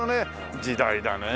時代だねえ